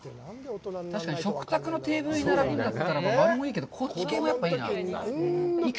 確かに食卓のテーブルに並ぶんだったら、丸もいいけど、こっちもいいな。